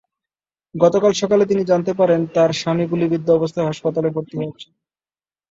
গতকাল সকালে তিনি জানতে পারেন, তাঁর স্বামী গুলিবিদ্ধ অবস্থায় হাসপাতালে ভর্তি আছেন।